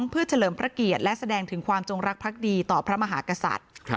เพื่อเฉลิมพระเกียรติและแสดงถึงความจงรักภักดีต่อพระมหากษัตริย์